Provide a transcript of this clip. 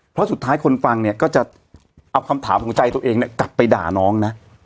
เพราะสุดท้ายคนฟังเนี่ยก็จะเอาคำถามของใจตัวเองเนี่ยกลับไปด่าน้องนะ